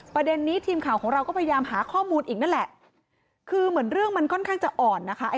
ประเด็นนี้ทีมข่าวของเราก็พยายามหาข้อมูลอีกนั่นแหละคือเหมือนเรื่องมันค่อนข้างจะอ่อนนะคะ